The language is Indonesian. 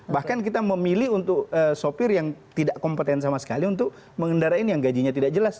bahkan kita memilih untuk sopir yang tidak kompeten sama sekali untuk mengendarain yang gajinya tidak jelas